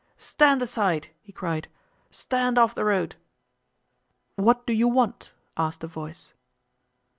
"Stand aside!" he cried; "stand off the road!" "What do you want?" asked a voice.